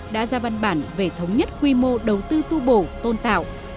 đã ra văn bản về thống nhất quy mô đầu tư tu bổ tôn tạo